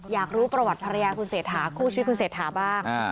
อยากรู้ประวัติภรรยาคุณเศรษฐาคู่ชีวิตคุณเศรษฐาบ้าง